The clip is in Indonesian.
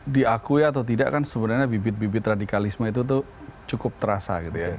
diakui atau tidak kan sebenarnya bibit bibit radikalisme itu cukup terasa